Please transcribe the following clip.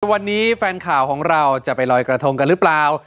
วันนี้แฟนข่าวของเราจะไปลอยกระทงกันหรือเปล่า